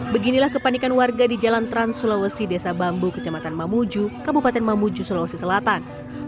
beginilah kepanikan warga di jalan trans sulawesi desa bambu kecamatan mamuju kabupaten mamuju sulawesi selatan